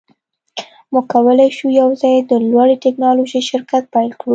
موږ کولی شو یوځای د لوړې ټیکنالوژۍ شرکت پیل کړو